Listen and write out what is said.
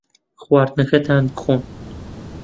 خواردنەکەتان بخۆن.